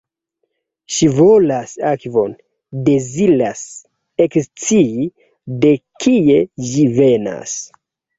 Ŝi volas akvon — deziras ekscii de kie ĝi venas.